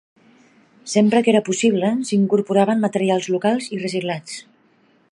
Sempre que era possible s'incorporaven materials locals i reciclats.